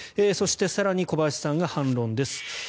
そして、更に小林さんが反論です。